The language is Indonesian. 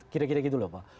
kira kira gitu loh pak